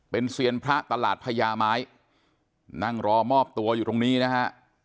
เป็นเซียนพระตลาดพญาไม้นั่งรอมอบตัวอยู่ตรงนี้นะฮะ